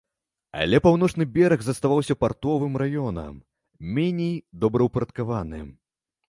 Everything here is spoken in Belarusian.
Але паўночны бераг заставаўся партовым раёнам, меней добраўпарадкаваным.